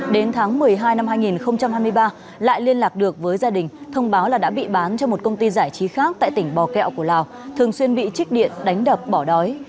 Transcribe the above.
đến tháng một mươi hai năm hai nghìn hai mươi ba lại liên lạc được với gia đình thông báo là đã bị bán cho một công ty giải trí khác tại tỉnh bò kẹo của lào thường xuyên bị trích điện đánh đập bỏ đói